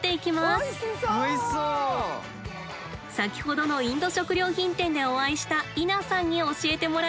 先ほどのインド食料品店でお会いしたイナさんに教えてもらいます。